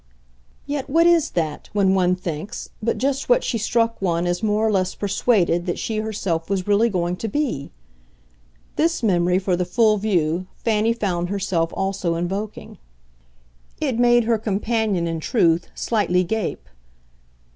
"Yet what is that, when one thinks, but just what she struck one as more or less persuaded that she herself was really going to be?" this memory, for the full view, Fanny found herself also invoking. It made her companion, in truth, slightly gape.